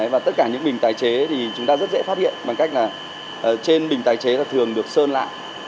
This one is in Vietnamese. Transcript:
và tất cả những bình tài chế thì chúng ta rất dễ phát hiện bằng cách là trên bình tài chế là thường được sơn lạ